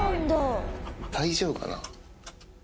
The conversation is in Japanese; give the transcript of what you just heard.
大丈夫かな？